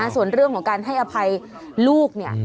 ส่วนเรื่องของการให้อภัยลูกเนี่ย